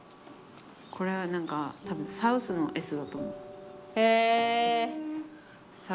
これは何か多分サウスのＳだと思う。